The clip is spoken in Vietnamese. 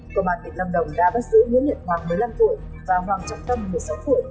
cô bà việt lâm đồng đã bắt giữ những liệt hoàng một mươi năm tuổi và hoàng trọng tâm một mươi sáu tuổi